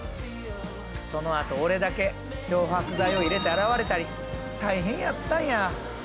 そのあと俺だけ漂白剤を入れて洗われたり大変やったんや。